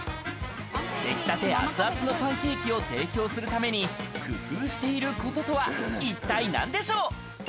出来たて熱々のパンケーキを提供するために工夫していることとは一体なんでしょう？